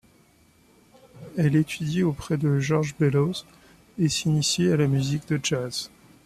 Elle étudie auprès de George Bellows et s'initie à la musique de Jazz.